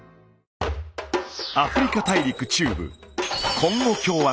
アフリカ大陸中部